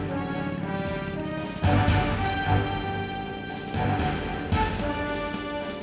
gak ada yang bos bisa sengaja mendekatkan itu